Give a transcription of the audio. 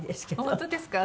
「本当ですか？